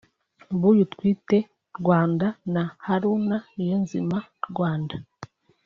Mbuyu Twite (Rwanda) na Haruna Niyonzima (Rwanda)